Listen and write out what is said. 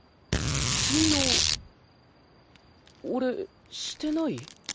信用俺してない？